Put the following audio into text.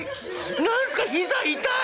何すか膝痛い！」。